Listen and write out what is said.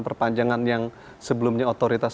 perpanjangan yang sebelumnya otoritas